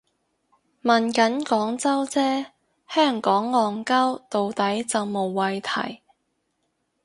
問緊廣州啫，香港戇 𨳊 到底就無謂提